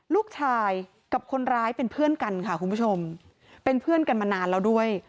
ลูกชายกับคนร้ายเป็นเพื่อนกันค่ะคุณผู้ชมเป็นเพื่อนกันมานานแล้วด้วย